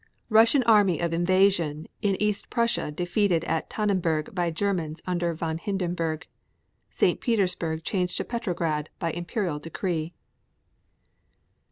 Russian army of invasion in East Prussia defeated at Tannenberg by Germans under Von Hindenburg. 31. St. Petersburg changed to Petrograd by imperial decree.